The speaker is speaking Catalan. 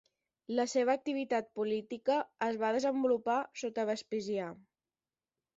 La seva activitat política es va desenvolupar sota Vespasià.